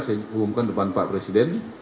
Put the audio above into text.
saya umumkan depan pak presiden